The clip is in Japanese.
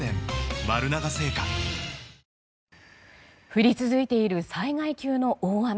降り続いている災害級の大雨。